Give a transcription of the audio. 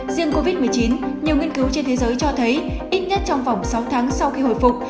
riêng covid một mươi chín nhiều nghiên cứu trên thế giới cho thấy ít nhất trong vòng sáu tháng sau khi hồi phục